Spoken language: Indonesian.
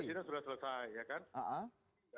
presiden sudah selesai ya kan